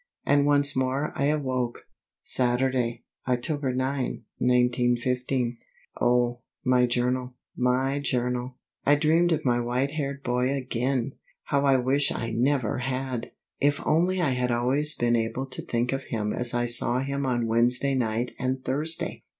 And once more I awoke. Saturday, October 9, 1915. Oh, my journal, my journal! I dreamed of my white haired boy again! How I wish I never had! If only I had always been able to think of him as I saw him on Wednesday night and Thursday!